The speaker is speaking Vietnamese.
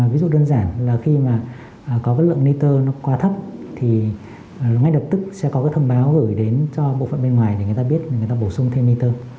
ví dụ đơn giản là khi mà có lượng nê tơ nó qua thấp thì ngay lập tức sẽ có thông báo gửi đến cho bộ phận bên ngoài để người ta biết để người ta bổ sung thêm nê tơ